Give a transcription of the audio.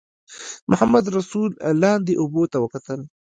محمدرسول لاندې اوبو ته وکتل.